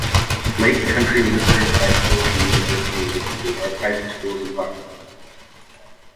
Lake Country Lutheran High School and University Lake School are private schools in Hartland.